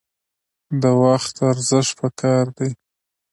د وخت ارزښت پکار دی